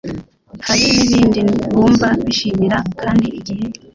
hari nibindi bumva bishimira kandi igihe